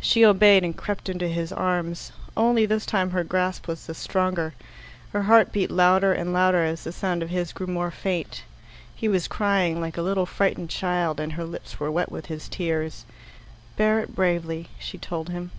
She obeyed, and crept into his arms. Only this time her grasp was the stronger. Her heart beat louder and louder as the sound of his grew more faint. He was crying like a little frightened child, and her lips were wet with his tears. "Bear it bravely," she told him.